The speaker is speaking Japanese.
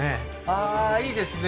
ああーいいですね